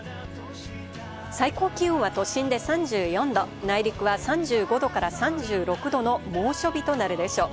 最高気温は都心で３４度、内陸は３５度から３６度の猛暑日となるでしょう。